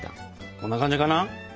こんな感じかな？